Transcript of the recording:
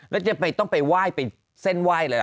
แล้วจะต้องไปไหว้ไปเส้นไหว้เลย